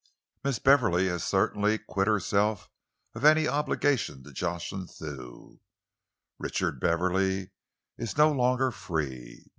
Miss Beverley has certainly quit herself of any obligation to Jocelyn Thew. Richard Beverley is no longer free.